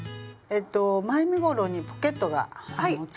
前身ごろにポケットがつきます。